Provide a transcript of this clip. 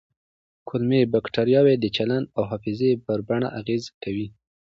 کولمو بکتریاوې د چلند او حافظې پر بڼې اغېز کوي.